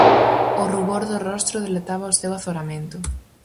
O rubor do rostro delataba o seu azoramento.